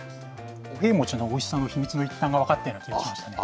五平餅のおいしさの一端が分かったような気がしました。